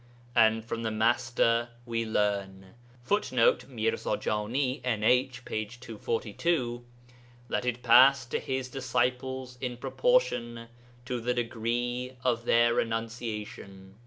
And from the Master we learn [Footnote: Mirza Jani (NH, p. 242).] that it passed to his disciples in proportion to the degree of their renunciation.